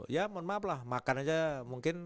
ya mohon maaf lah makan aja mungkin